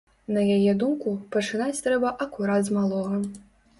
На яе думку, пачынаць трэба акурат з малога.